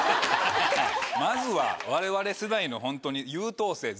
まずは我々世代のホントに。